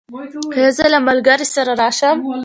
ایا زه له ملګري سره راشم؟